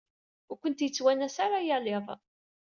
Ur kent-yettwanas ara yal iḍ.